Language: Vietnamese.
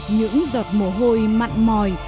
những giọt mồ hôi mặn mòi